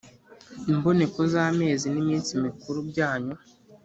Imboneko z’amezi n’iminsi mikuru byanyu